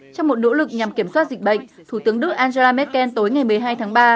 trong một nỗ lực nhằm kiểm soát dịch bệnh thủ tướng đức angela merkel tối ngày một mươi hai tháng ba